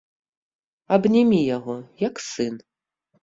Абнімі яго, як сын.